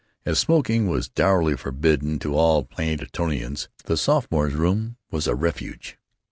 As smoking was dourly forbidden to all Platonians, the sophomore's room was a refuge.